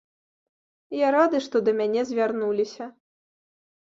Я рады, што да мяне звярнуліся.